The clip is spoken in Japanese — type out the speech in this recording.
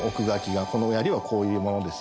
「この槍はこういうものですよ」